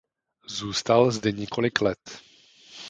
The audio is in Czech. Zůstal zde několik let.